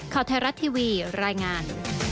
ข่าวไทยรัฐทีวีรายงาน